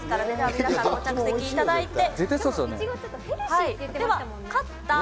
皆さん、ご着席いただいて。